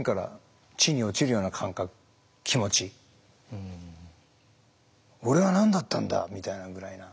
そんなぐらい俺は何だったんだみたいなぐらいな。